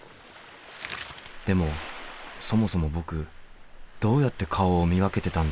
でもそもそも僕どうやって顔を見分けてたんだろう？